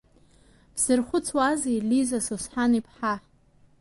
Бзырхәыцуазеи Лиза Зосҳан-иԥҳа?